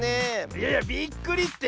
いやいやびっくりって！